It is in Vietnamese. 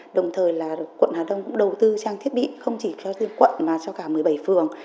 đồng thời là quận hà đông cũng đầu tư trang thiết bị không chỉ cho riêng quận mà cho cả một mươi bảy phường